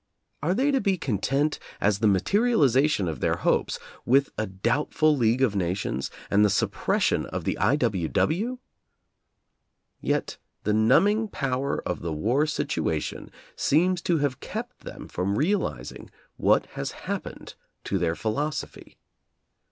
Are they to be content, as the materialization of their hopes, with a doubt ful League of Nations and the suppression of the I. W. W.*? Yet the numbing power of the. war situation seems to have kept them from realizing what has happened to their philosophy.